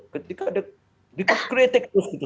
ketika diperkritik terus gitu